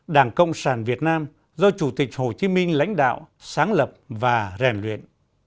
đảng cộng sản việt nam do chủ tịch hồ chí minh lãnh đạo sáng lập và rèn luyện